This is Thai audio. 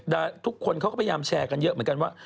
ทุกคนเขาก็พยายามแชร์กันเยอะเหมือนกันว่า